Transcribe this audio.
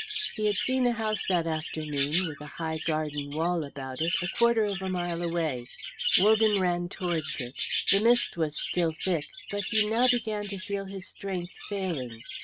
He had seen a house that afternoon with a high garden wall about it a quarter of a mile away. Wogan ran towards it. The mist was still thick, but he now began to feel his strength failing.